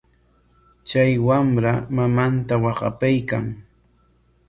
Chay wamra mamanta waqapaykan.